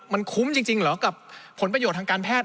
มันคุ้มจริงเหรอกับผลประโยชน์ทางการแพทย์